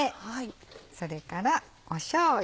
それからしょうゆ。